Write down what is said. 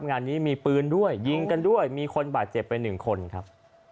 งานนี้มีปืนด้วยยิงกันด้วยมีคนบาดเจ็บไปหนึ่งคนครับ